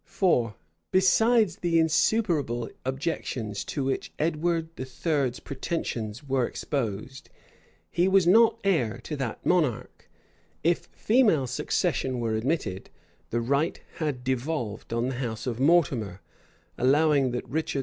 For, besides the insuperable objections to which Edward III.'s pretensions were exposed, he was not heir to that monarch: if female succession were admitted, the right had devolved on the house of Mortimer: allowing that Richard II.